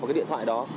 vào cái điện thoại đó